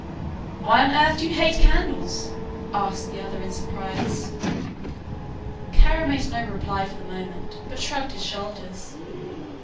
"Why on earth do you hate candles?" asked the other in surprise. Kara made no reply for the moment, but shrugged his shoulders.